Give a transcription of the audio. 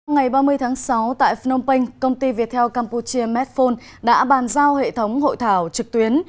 ngày ba mươi tháng sáu tại phnom penh công ty viettel campuchia medphone đã bàn giao hệ thống hội thảo trực tuyến